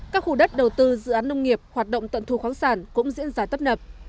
các khu đất đầu tư dự án nông nghiệp hoạt động tận thu khoáng sản cũng diễn ra tấp nập